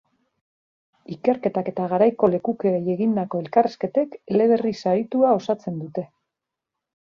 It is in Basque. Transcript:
Ikerketak eta garaiko lekukoei egindako elkarrizketek eleberri saritua osatzen dute.